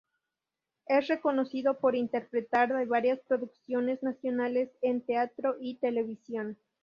Es reconocido por interpretar de varias producciones nacionales en teatro y televisión.